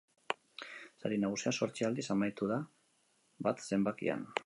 Sari nagusia zortzi aldiz amaitu da bat zenbakian.